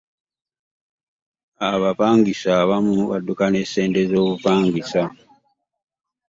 Abapangisa abamu badduka ne ssente z'obupangisa.